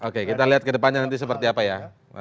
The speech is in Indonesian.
oke kita lihat kedepannya nanti seperti apa ya